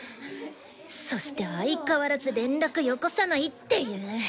そして相変わらず連絡よこさないっていう。